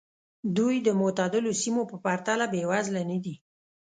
دوی د معتدلو سیمو په پرتله بېوزله نه دي.